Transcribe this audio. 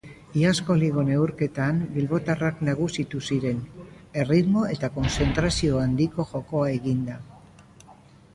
Iazko liga neurketan bilbotarrak nagusitu ziren, erritmo eta kontzentrazio handiko jokoa eginda.